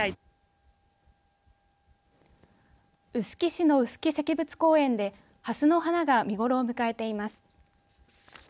臼杵市の臼杵石仏公園でハスの花が見頃を迎えています。